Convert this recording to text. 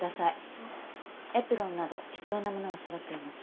エプロンなど必要なものはそろっています。